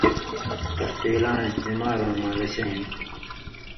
اس تیلاں استعمال آں مالشہ ہِن